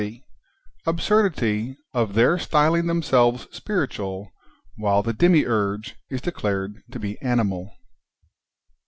— Ahsurdity of their styling themselves spiritualy ivhile the Demiurge is declared to he animal.